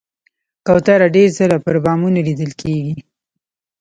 کوتره ډېر ځله پر بامونو لیدل کېږي.